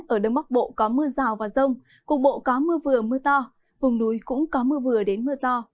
ở đông bắc bộ có mưa rào và rông cục bộ có mưa vừa mưa to vùng núi cũng có mưa vừa đến mưa to